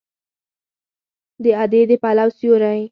د ادې د پلو سیوری